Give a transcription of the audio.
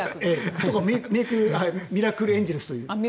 ミラクルエンゼルスという。